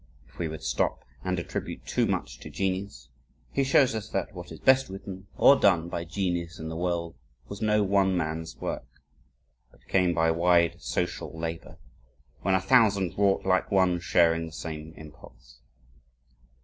If we would stop and attribute too much to genius, he shows us that "what is best written or done by genius in the world, was no one man's work, but came by wide social labor, when a thousand wrought like one, sharing the same impulse."